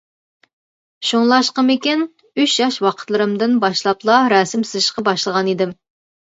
شۇڭلاشقىمىكىن، ئۈچ ياش ۋاقىتلىرىمدىن باشلاپلا رەسىم سىزىشقا باشلىغان ئىدىم.